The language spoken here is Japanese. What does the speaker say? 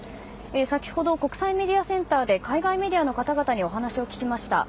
先ほど国際メディアセンターで海外メディアの方々にお話を聞きました。